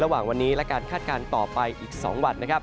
ระหว่างวันนี้และการคาดการณ์ต่อไปอีก๒วันนะครับ